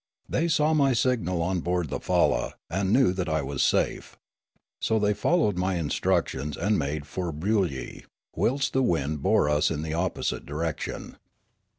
They saw my signal on board the falla, and knew that I was safe. So they followed my instructions and made for Broolyi, whilst the wind bore us in the opposite direction.